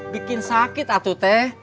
bikin sakit atu teh